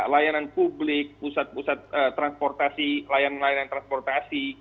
layanan publik pusat pusat transportasi layanan layanan transportasi